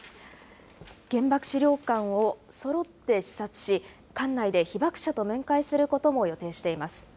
原爆資料館をそろって視察し、館内で被爆者と面会することも予定しています。